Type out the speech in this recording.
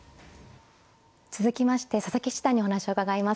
続きまして佐々木七段にお話を伺います。